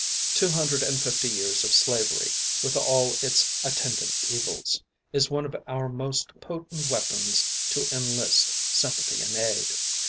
Two hundred and fifty years of slavery, with all its attendant evils, is one of our most potent weapons to enlist sympathy and aid.